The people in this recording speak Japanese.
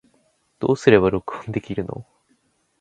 どうすれば録音できるの